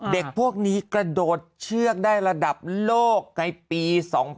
เด็กพวกนี้กระโดดเชือกได้ระดับโลกในปี๒๕๖๒